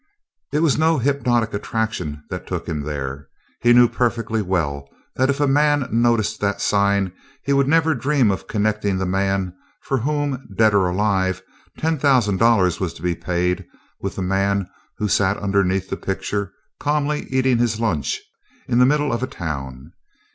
It was no hypnotic attraction that took him there. He knew perfectly well that if a man noticed that sign he would never dream of connecting the man for whom, dead or alive, ten thousand dollars was to be paid, with the man who sat underneath the picture calmly eating his lunch in the middle of a town.